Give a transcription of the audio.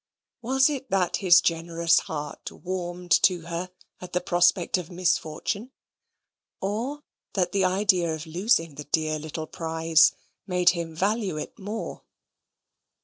Was it that his generous heart warmed to her at the prospect of misfortune; or that the idea of losing the dear little prize made him value it more?